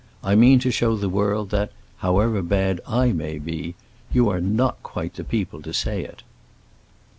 I mean to show the world that, however bad I may be, you are not quite the people to say it."